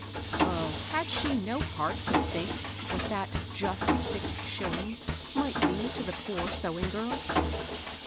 Oh I had she no heart to tliink what that ^* jvM six sMUings " might be to the poor sewing girl